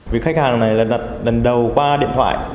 các khách hàng này đặt lần đầu qua điện thoại